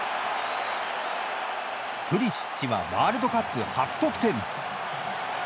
プリシッチはワールドカップ初得点。